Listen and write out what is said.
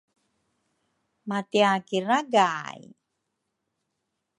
matiakiraragay.